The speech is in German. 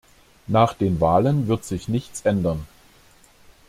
Nach den Wahlen wird sich nichts ändern.